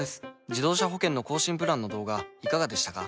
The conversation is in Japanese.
自動車保険の更新プランの動画いかがでしたか？